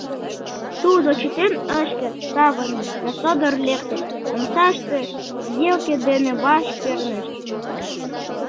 Тудо чытен ыш керт, савырныш да содор лекте, омсаште сиделке дене ваш пернышт.